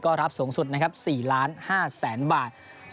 ก็รับสูงสุดนะครับ๔๕๐๐๐๐บาท